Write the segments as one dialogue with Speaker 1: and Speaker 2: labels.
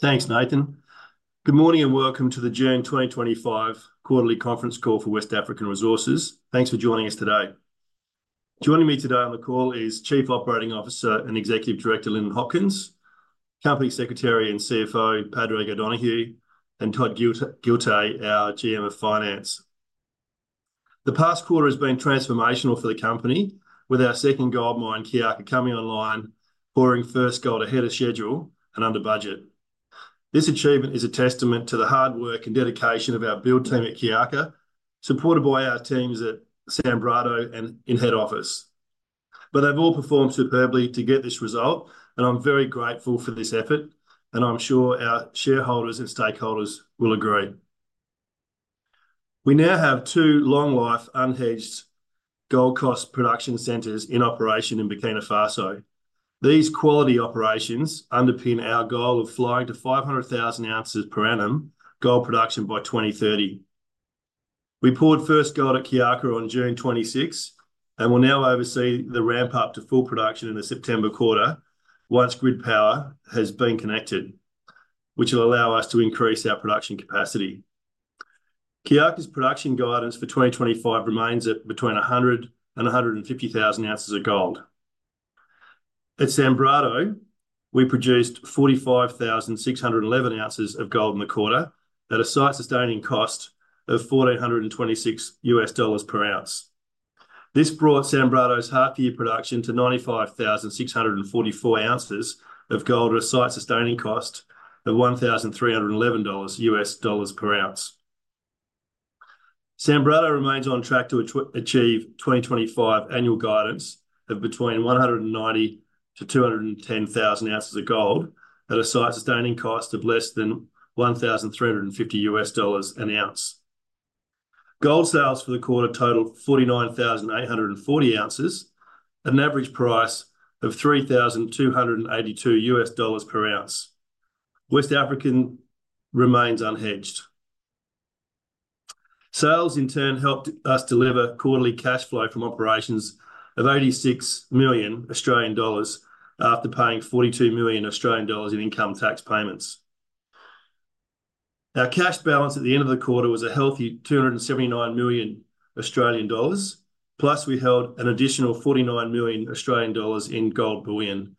Speaker 1: Thanks, Nathan. Good morning and welcome to the June 2025 Quarterly Conference Call for West African Resources. Thanks for joining us today. Joining me today on the call is Chief Operating Officer and Executive Director, Lyndon Hopkins, Company Secretary and CFO, Padraig O'Donoghue, and Todd Guiltey, our GM of Finance. The past quarter has been transformational for the company, with our second gold mine, Kiaka, coming online, pouring first gold ahead of schedule and under budget. This achievement is a testament to the hard work and dedication of our build team at Kiaka, supported by our teams at Sanbrado and in head office. They have all performed superbly to get this result, and I'm very grateful for this effort, and I'm sure our shareholders and stakeholders will agree. We now have two long-life, unhedged gold production centers in operation in Burkina Faso. These quality operations underpin our goal of flying to 500,000 ounces per annum gold production by 2030. We poured first gold at Kiaka on June 26th and will now oversee the ramp-up to full production in the September quarter once grid power has been connected, which will allow us to increase our production capacity. Kiaka's production guidance for 2025 remains at between 100,000 and 150,000 ounces of gold. At Sanbrado, we produced 45,611 ounces of gold in the quarter at a site-sustaining cost of $1,426 per ounce. This brought Sanbrado's half-year production to 95,644 ounces of gold at a site-sustaining cost of $1,311 per ounce. Sanbrado remains on track to achieve 2025 annual guidance of between 190,000-210,000 ounces of gold at a site-sustaining cost of less than $1,350 an ounce. Gold sales for the quarter totaled 49,840 ounces, at an average price of $3,282 per ounce. West African remains unhedged. Sales, in turn, helped us deliver quarterly cash flow from operations of 86 million Australian dollars after paying 42 million Australian dollars in income tax payments. Our cash balance at the end of the quarter was a healthy 279 million Australian dollars, plus we held an additional 49 million Australian dollars in gold bullion,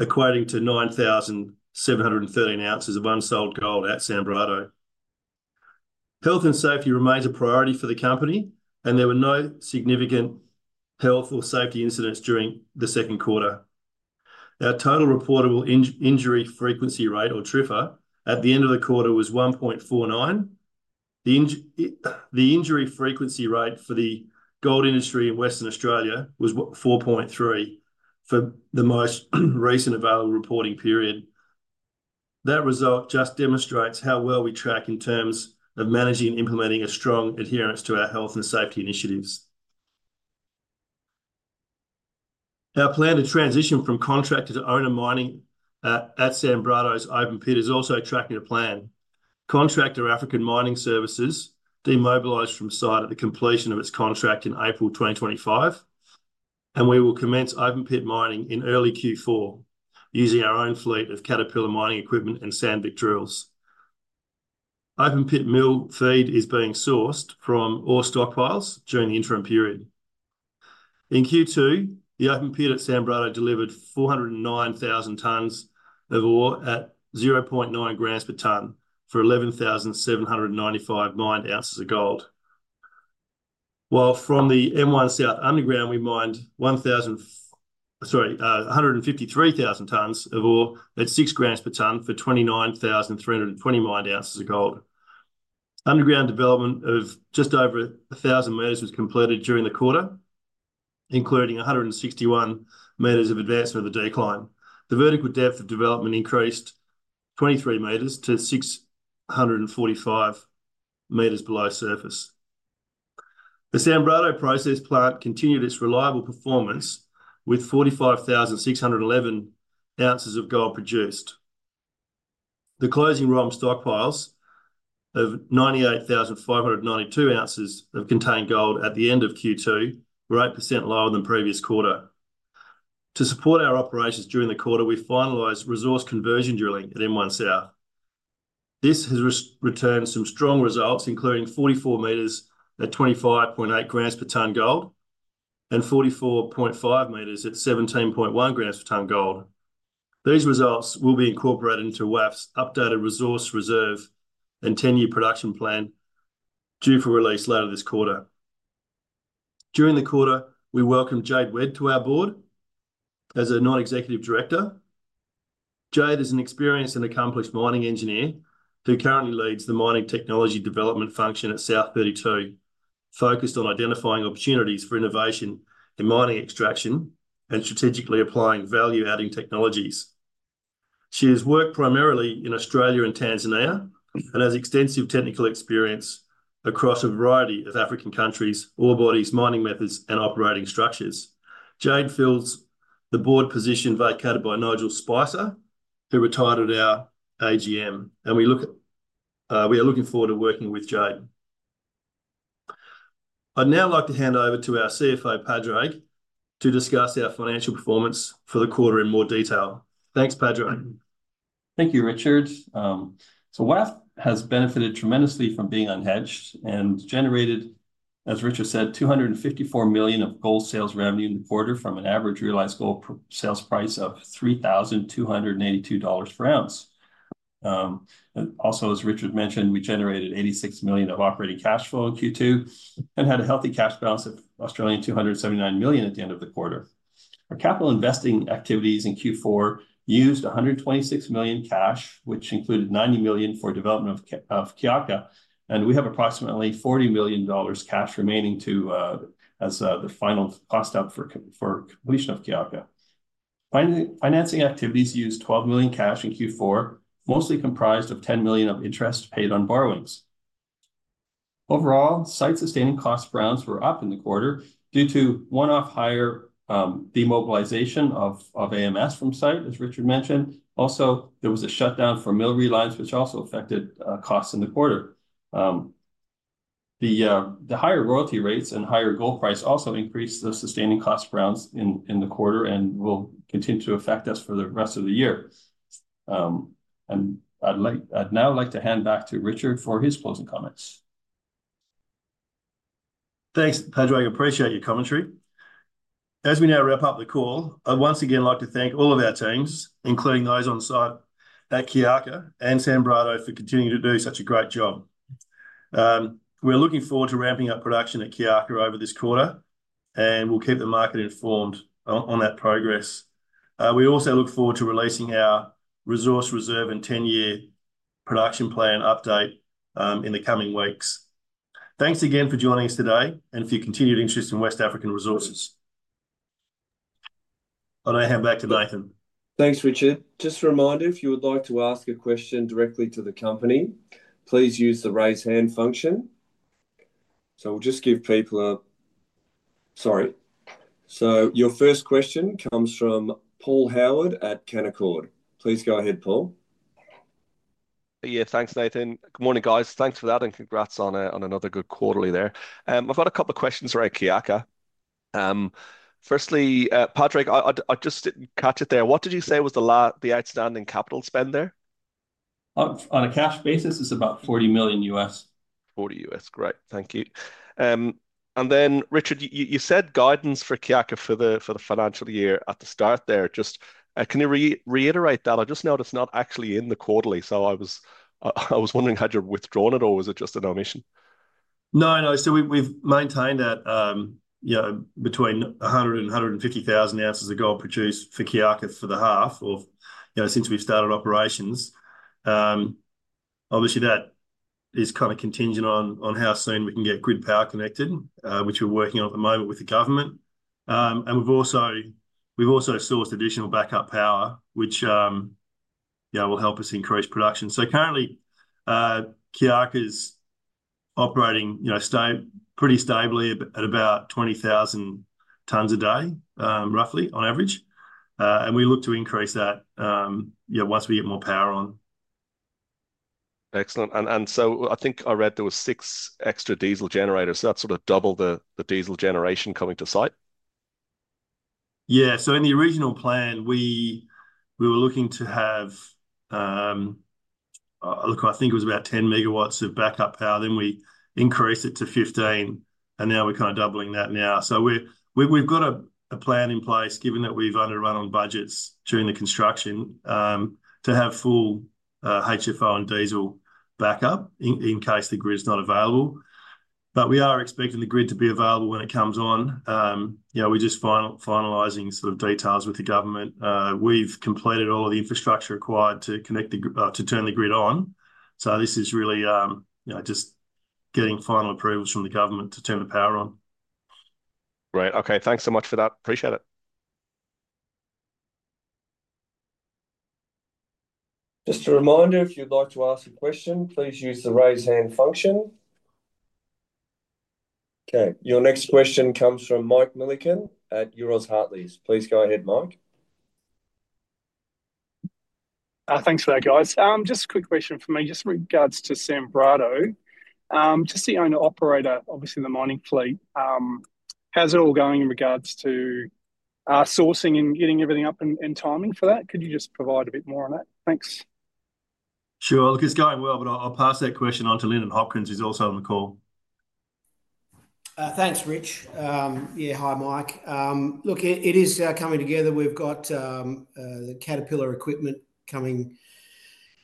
Speaker 1: equating to 9,713 ounces of unsold gold at Sanbrado. Health and safety remains a priority for the company, and there were no significant health or safety incidents during the second quarter. Our total recordable injury frequency rate, or TRIFA, at the end of the quarter was 1.49. The injury frequency rate for the gold industry in Western Australia was 4.3 for the most recent available reporting period. That result just demonstrates how well we track in terms of managing and implementing a strong adherence to our health and safety initiatives. Our plan to transition from contractor to owner mining at Sanbrado's open pit is also tracking to plan. Contractor African Mining Services demobilized from site at the completion of its contract in April 2025, and we will commence open pit mining in early Q4 using our own fleet of Caterpillar mining equipment and Sandvik drills. Open pit mill feed is being sourced from ore stockpiles during the interim period. In Q2, the open pit at Sanbrado delivered 409,000 tonnes of ore at 0.9 grams per tonne for 11,795 mined ounces of gold, while from the M1 South underground, we mined 153,000 tonnes of ore at 6 grams per tonne for 29,320 mined ounces of gold. Underground development of just over 1,000 meters was completed during the quarter, including 161 meters of advancement of the decline. The vertical depth of development increased 23 meters-645 meters below surface. The Sanbrado process plant continued its reliable performance with 45,611 ounces of gold produced. The closing ROM stockpiles of 98,592 ounces of contained gold at the end of Q2 were 8% lower than the previous quarter. To support our operations during the quarter, we finalized resource conversion drilling at M1 South. This has returned some strong results, including 44 meters at 25.8 grams per tonne gold and 44.5 meters at 17.1 grams per tonne gold. These results will be incorporated into West African Resources' updated resource reserve and ten-year production plan due for release later this quarter. During the quarter, we welcomed Jade Webb to our board as a Non-Executive Director. Jade is an experienced and accomplished mining engineer who currently leads the mining technology development function at South32, focused on identifying opportunities for innovation in mining extraction and strategically applying value-adding technologies. She has worked primarily in Australia and Tanzania and has extensive technical experience across a variety of African countries, ore bodies, mining methods, and operating structures. Jade fills the board position vacated by Nigel Spicer, who retired at our AGM, and we are looking forward to working with Jade. I'd now like to hand over to our CFO, Padraig, to discuss our financial performance for the quarter in more detail. Thanks, Padraig.
Speaker 2: Thank you, Richard. West African Resources has benefited tremendously from being unhedged and generated, as Richard said, $254 million of gold sales revenue in the quarter from an average realized gold sales price of $3,282 per ounce. Also, as Richard mentioned, we generated $86 million of operating cash flow in Q2 and had a healthy cash balance of 279 million at the end of the quarter. Our capital investing activities in Q4 used $126 million cash, which included $90 million for development of Kiaka, and we have approximately $40 million cash remaining as the final cost up for completion of Kiaka. Financing activities used $12 million cash in Q4, mostly comprised of $10 million of interest paid on borrowings. Overall, site-sustaining costs per ounce were up in the quarter due to one-off higher demobilization of AMS from site, as Richard mentioned. There was a shutdown for mill reliance, which also affected costs in the quarter. The higher royalty rates and higher gold price also increased the sustaining costs per ounce in the quarter and will continue to affect us for the rest of the year. I'd now like to hand back to Richard for his closing comments.
Speaker 1: Thanks, Padraig. I appreciate your commentary. As we now wrap up the call, I'd once again like to thank all of our teams, including those on site at Kiaka and Sanbrado, for continuing to do such a great job. We're looking forward to ramping up production at Kiaka over this quarter, and we'll keep the market informed on that progress. We also look forward to releasing our resource reserve and ten-year production plan update in the coming weeks. Thanks again for joining us today and for your continued interest in West African Resources. I'll now hand back to Nathan.
Speaker 3: Thanks, Richard. Just a reminder, if you would like to ask a question directly to the company, please use the raise hand function. Your first question comes from Paul Howard at Canaccord. Please go ahead, Paul.
Speaker 4: Yeah, thanks, Nathan. Good morning, guys. Thanks for that and congrats on another good quarterly there. I've got a couple of questions around Kiaka. Firstly, Padraig, I just didn't catch it there. What did you say was the outstanding capital spend there?
Speaker 2: On a cash basis, it's about $40 million.
Speaker 4: $40 million, great. Thank you. Richard, you said guidance for Kiaka for the financial year at the start there. Can you reiterate that? I just noticed it's not actually in the quarterly, so I was wondering had you withdrawn it or was it just an omission?
Speaker 1: No, no. We've maintained that, you know, between 100,000 and 150,000 ounces of gold produced for Kiaka for the half of, you know, since we've started operations. Obviously, that is kind of contingent on how soon we can get grid power connected, which we're working on at the moment with the government. We've also sourced additional backup power, which will help us increase production. Currently, Kiaka's operating, you know, pretty stably at about 20,000 tonnes a day, roughly, on average. We look to increase that, you know, once we get more power on.
Speaker 4: Excellent. I think I read there were six extra diesel generators. That sort of doubled the diesel generation coming to site?
Speaker 1: In the original plan, we were looking to have, I think it was about 10 MWs of backup power. Then we increased it to 15, and now we're kind of doubling that now. We've got a plan in place, given that we've only run on budgets during the construction, to have full HFO and diesel backup in case the grid's not available. We are expecting the grid to be available when it comes on. We're just finalizing details with the government. We've completed all of the infrastructure required to turn the grid on. This is really just getting final approvals from the government to turn the power on.
Speaker 4: Great. Okay, thanks so much for that. Appreciate it.
Speaker 3: Just a reminder, if you'd like to ask a question, please use the raise hand function. Okay, your next question comes from Mike Millikan at Euroz Hartleys. Please go ahead, Mike.
Speaker 5: Thanks for that, guys. Just a quick question from me, just in regards to Sanbrado. Just the owner-operator, obviously the mining fleet, how's it all going in regards to sourcing and getting everything up and timing for that? Could you just provide a bit more on that? Thanks.
Speaker 1: Sure. Look, it's going well, but I'll pass that question on to Lyndon Hopkins, who's also on the call.
Speaker 6: Thanks, Rich. Yeah, hi, Mike. Look, it is coming together. We've got the Caterpillar equipment coming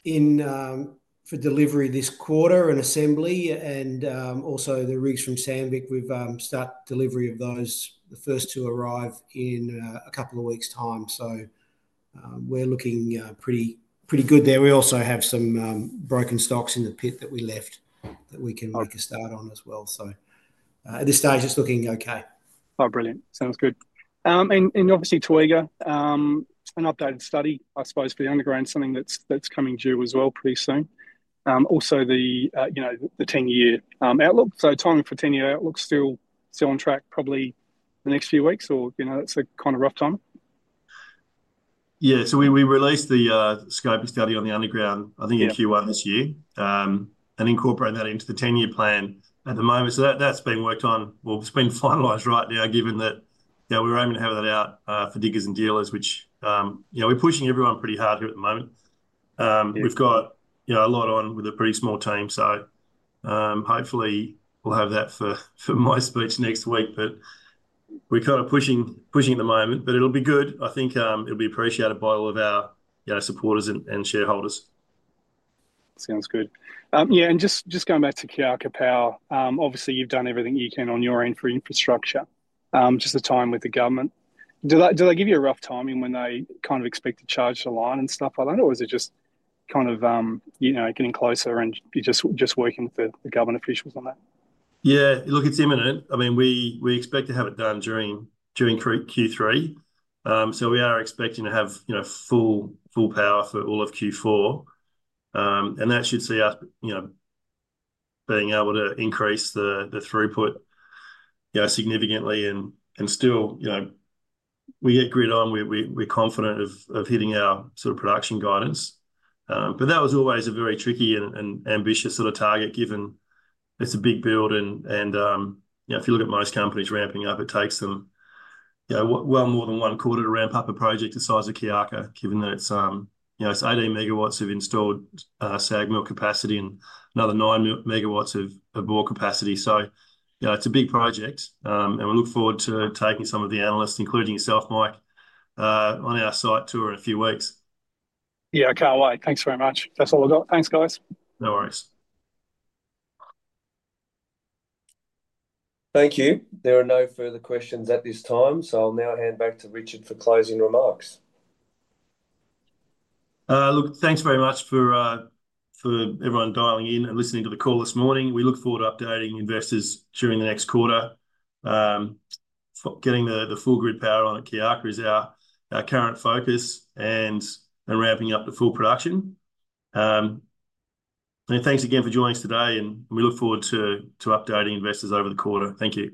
Speaker 6: in for delivery this quarter and assembly. Also, the rigs from Sandvik. We've started delivery of those. The first two arrive in a couple of weeks' time. We're looking pretty good there. We also have some broken stocks in the pit that we left that we can make a start on as well. At this stage, it's looking okay. Oh, brilliant. Sounds good. Obviously, Twega, an updated study, I suppose, for the underground, something that's coming due as well pretty soon. Also, the 10-year outlook. Timing for 10-year outlook still on track, probably the next few weeks or, you know, that's a kind of rough time.
Speaker 1: Yeah, we released the scope of study on the underground, I think, in Q1 this year. Incorporating that into the 10-year plan at the moment, that's being worked on. It's been finalized right now, given that we're aiming to have that out for Diggers and Dealers, which, you know, we're pushing everyone pretty hard here at the moment. We've got a lot on with a pretty small team. Hopefully, we'll have that for my speech next week. We're kind of pushing at the moment. It'll be good. I think it'll be appreciated by all of our supporters and shareholders.
Speaker 5: Sounds good. Yeah, and just going back to Kiaka power, obviously, you've done everything you can on your end for infrastructure, just the time with the government. Do they give you a rough timing when they kind of expect the charge to line and stuff like that, or is it just kind of, you know, getting closer and you're just working with the government officials on that?
Speaker 1: Yeah, look, it's imminent. I mean, we expect to have it done during Q3. We are expecting to have, you know, full power for all of Q4. That should see us, you know, being able to increase the throughput, you know, significantly. Still, you know, we get grid on. We're confident of hitting our sort of production guidance. That was always a very tricky and ambitious sort of target, given it's a big build. If you look at most companies ramping up, it takes them, you know, well more than one quarter to ramp up a project the size of Kiaka, given that it's, you know, it's 18 MWs of installed SAG mill capacity and another 9 MWs of ball capacity. It's a big project. We look forward to taking some of the analysts, including yourself, Mike, on our site tour in a few weeks.
Speaker 5: Yeah, I can't wait. Thanks very much. That's all I've got. Thanks, guys.
Speaker 1: No worries.
Speaker 3: Thank you. There are no further questions at this time. I'll now hand back to Richard for closing remarks.
Speaker 1: Thanks very much for everyone dialing in and listening to the call this morning. We look forward to updating investors during the next quarter. Getting the full grid power on at Kiaka is our current focus and ramping up to full production. Thanks again for joining us today. We look forward to updating investors over the quarter. Thank you.